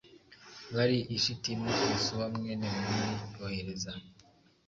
bari i shitimu yosuwa mwene nuni yohereza